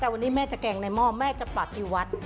วันนี้แม่จะแกงในหม้อแม่จะปรากฎิวัตร